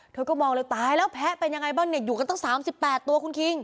เธอก็มองเลยตายแล้วแพ้เป็นยังไงบ้างเนี่ยอยู่กันตั้ง๓๘ตัวคุณคิง